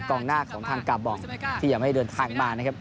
กองหน้าของทางกาบองที่ยังไม่เดินทางมานะครับ